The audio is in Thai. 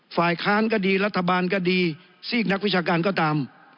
ฝ่ายค้านก็ดีรัฐบาลก็ดีซีกนักวิชาการก็ตาม